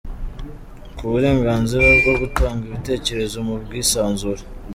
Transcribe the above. Ku burenganzira bwo gutanga ibitekerezo mu bwisanzure….